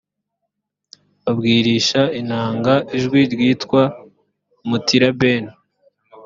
babwirisha inanga ijwi ryitwa mutilabeni